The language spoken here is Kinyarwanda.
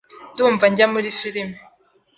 Ndumva njya muri firime.